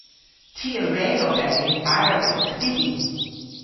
Ty a wre oberi yn ayrgylgh bysi.